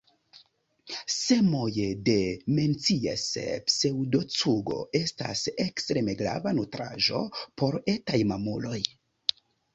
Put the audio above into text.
Semoj de Menzies-pseŭdocugo estas ekstreme grava nutraĵo por etaj mamuloj.